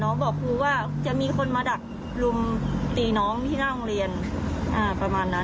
บอกครูว่าจะมีคนมาดักลุมตีน้องที่หน้าโรงเรียนประมาณนั้น